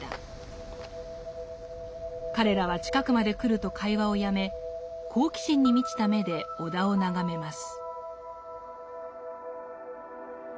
彼らは近くまで来ると会話をやめ好奇心に満ちた目で尾田を眺めます。